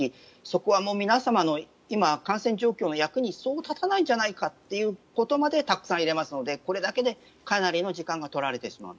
そこは皆様の今、感染状況の役にそう立たないんじゃないかということまでたくさん入れますのでこれだけでかなりの時間が取られてしまう。